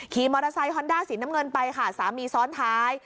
ขี่มอเตอร์ไซคอนด้าสีน้ำเงินไปค่ะสามีซ้อนท้าย